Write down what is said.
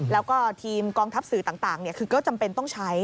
แล้วก็ทีมกองทัพสื่อต่างคือก็จำเป็นต้องใช้